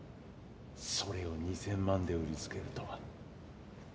それを２，０００万で売りつけるとは。